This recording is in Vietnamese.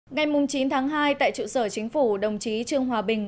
ngày chín tháng hai tại trụ sở chính phủ đồng chí trương hòa bình